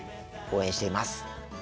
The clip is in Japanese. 応援しています。